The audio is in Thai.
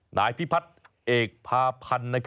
นายพิพัฒน์เอกพาพันธ์